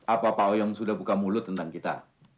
apa pak oyom sudah buka mulut tentang kita